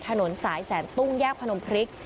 ถนนสายแสนตุ้งแยกพนมพริก